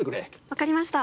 分かりました。